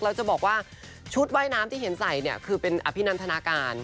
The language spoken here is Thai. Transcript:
จะบอกว่าชุดว่ายน้ำที่เห็นใส่เนี่ยคือเป็นอภินันทนาการ